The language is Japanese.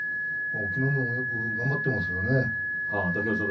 隠岐の海も頑張っていますよね。